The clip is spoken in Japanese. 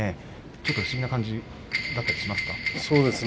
ちょっと不思議な感じだったりしますか。